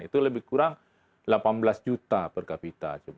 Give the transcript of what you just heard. itu lebih kurang delapan belas juta per kapita